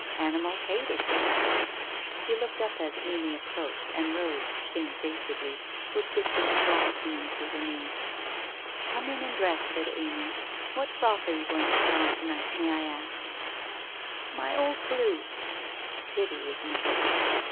Animals hated Dulce. She looked up as Amy approached, and rose shamefacedly, with bits of straw clinging to her knees. 1 Come in and dress,' said Amy. ' What frock are you going to put on to night, may I ask ?'' My old blue !'< Pity, isn't it